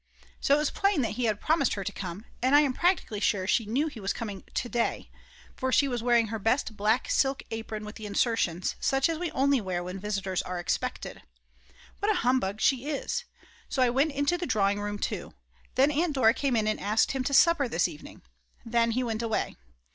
So it was plain that he had promised her to come, and I am practically sure she knew he was coming to day, for she was wearing her best black silk apron with the insertions, such as we only wear when visitors are expected. What a humbug she is! So I went into the drawing room too. Then Aunt Dora came in and asked him to supper this evening. Then he went away.